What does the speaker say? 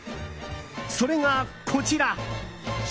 それがこちら。